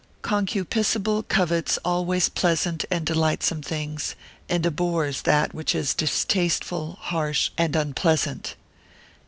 Concupiscible covets always pleasant and delightsome things, and abhors that which is distasteful, harsh, and unpleasant.